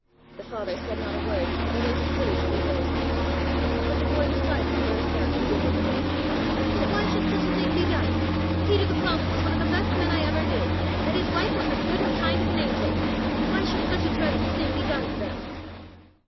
The father said not a word although his face grew very sad, but the boy beside him burst out indignantly. "But why should such a thing be done? Peter the Ploughman was one of the best men I ever knew and his wife was as good and kind as an angel. Why should such a dreadful thing be done to them?"